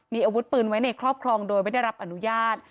มีอาวุธปืนไว้ในครอบครองโดยไม่ได้รับอนุญาต